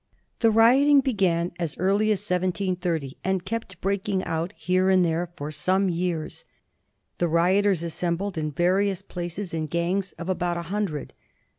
The rioting began as early as 1780, and kept breaking out here and there for some years. The rioters assembled in various places in gangs of about a hundred.